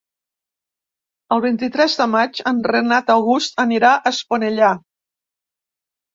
El vint-i-tres de maig en Renat August anirà a Esponellà.